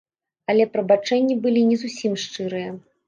Але прабачэнні былі не зусім шчырыя.